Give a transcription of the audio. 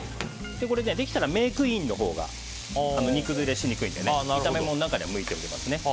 できたらメークインのほうが煮崩れしにくいので炒め物の中では向いておりますね。